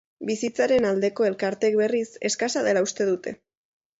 Bizitzaren aldeko elkarteek, berriz, eskasa dela uste dute.